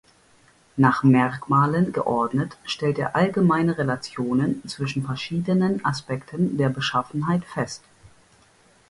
Nach Merkmalen geordnet stellt er allgemeine Relationen zwischen verschiedenen Aspekten der Beschaffenheit fest.